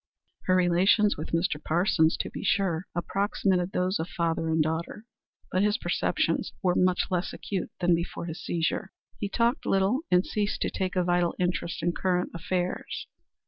Her relations with Mr. Parsons, to be sure, approximated those of father and daughter, but his perceptions were much less acute than before his seizure; he talked little and ceased to take a vital interest in current affairs.